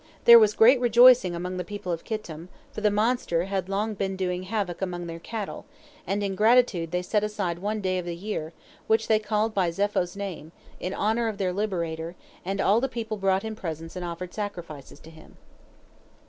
There was great rejoicing among the people of Kittim, for the monster had long been doing havoc among their cattle, and in gratitude they set aside one day of the year, which they called by Zepho's name, in honor of their liberator, and all the people brought him presents and offered sacrifices to him.